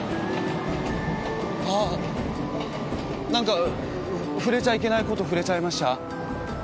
あっ何か触れちゃいけないこと触れちゃいました？